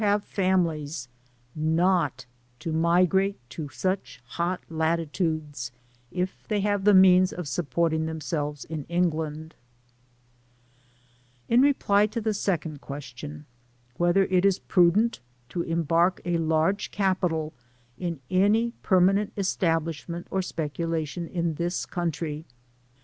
have families, not to migrate to such hot latitudes, if they have the means of sup p(»rting themselves in England* In reply to the seocmd question, Whether U U prudeni to embark a large capital in any permanent e$tabli9hment or spectUatian in tins country